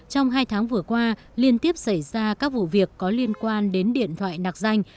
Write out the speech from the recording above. trong hai tháng vừa qua liên tiếp xảy ra các vụ việc có liên quan đến điện thoại nạc danh